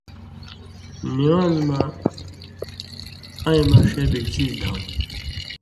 نِوان٘ز مہ اَیں مہ ݜے بِگ څیز دھؤں